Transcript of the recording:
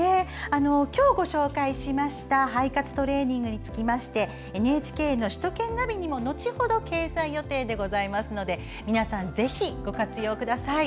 今日、ご紹介しました肺活トレーニングにつきましてＮＨＫの首都圏ナビにも後ほど掲載予定ですので皆さん、ぜひご活用ください。